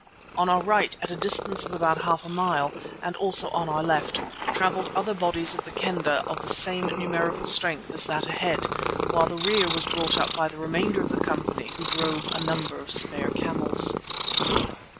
On our right at a distance of about half a mile, and also on our left, travelled other bodies of the Kendah of the same numerical strength as that ahead, while the rear was brought up by the remainder of the company who drove a number of spare camels.